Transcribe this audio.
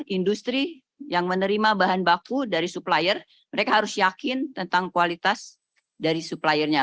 industri yang menerima bahan baku dari supplier mereka harus yakin tentang kualitas dari suppliernya